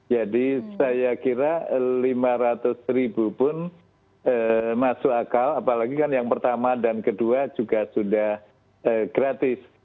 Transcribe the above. saya kira lima ratus ribu pun masuk akal apalagi kan yang pertama dan kedua juga sudah gratis